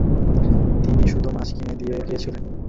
তিনি শুধু মাছ কিনে দিয়ে গিয়েছিলেন।